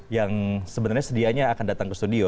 yang sebenarnya sedianya akan datang ke studio